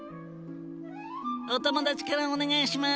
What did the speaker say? お友達からお願いします。